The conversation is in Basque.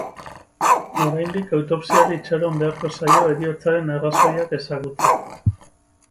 Oraindik autopsiari itxaron beharko zaio heriotzaren arrazoiak ezagutzeko.